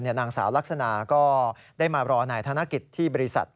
นางสาวลักษณะก็ได้มารอนายธนกิจที่บริษัท